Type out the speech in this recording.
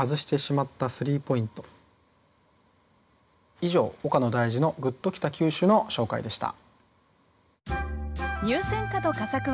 以上「岡野大嗣の“グッときた九首”」の紹介でした。